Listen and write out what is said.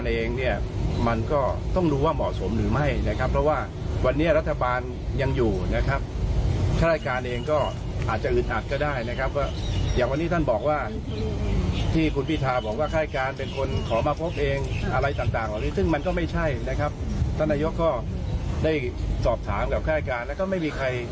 แล้วก็ไม่มีใครไปขอพบเลยนะครับ